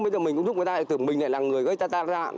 bây giờ mình cũng giúp người ta mình lại là người gây tai nạn